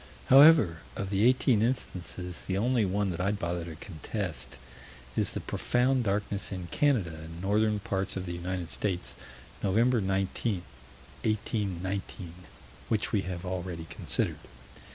However, of the eighteen instances, the only one that I'd bother to contest is the profound darkness in Canada and northern parts of the United States, Nov. 19, 1819 which we have already considered.